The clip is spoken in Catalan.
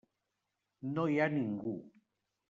No hi ha ningú.